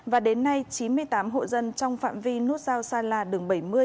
và đến nay chín mươi tám hộ dân trong phạm vi nút giao gia la đường bảy mươi